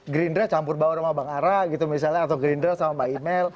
gerindra campur bawa sama bang ara gitu misalnya atau gerindra sama mbak email